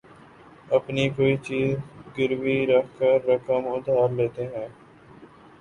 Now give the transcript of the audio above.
اپنی کوئی چیز گروی رکھ کر رقم ادھار لیتے ہیں